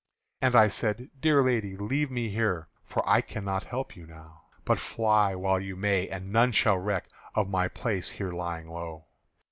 And I said: "Dear Lady, leave me here, For I cannot help you now; But fly while you may, and none shall reck Of my place here lying low."